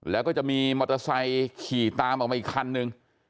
แล้วก็จะมีมอเตอร์ไซค์ขี่ตามออกมาอีกคันนึง